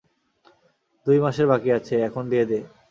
দুই মাসের বাকি আছে, এখন দিয়ে দে।